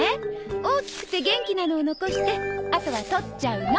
大きくて元気なのを残してあとは取っちゃうの。